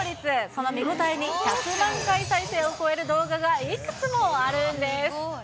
その見応えに、１００万回再生を超える動画がいくつもあるんです。